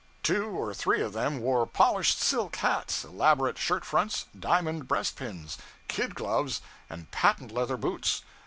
Two or three of them wore polished silk hats, elaborate shirt fronts, diamond breast pins, kid gloves, and patent leather boots.